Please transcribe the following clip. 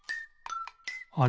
あれ？